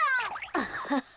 アハハ。